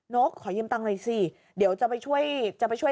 นกขอยืมตังค์หน่อยสิเดี๋ยวจะไปช่วย